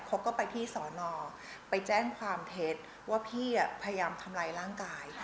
เขาก็ไปที่สอนอไปแจ้งความเท็จว่าพี่พยายามทำร้ายร่างกาย